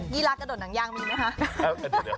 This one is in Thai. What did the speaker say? กีฬากระโดดหนังยางมีไหมคะ